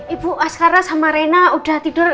ibu askara sama rena udah tidur